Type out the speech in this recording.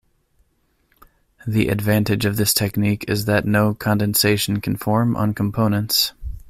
The advantage of this technique is that no condensation can form on components.